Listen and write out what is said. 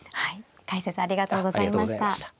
解説ありがとうございました。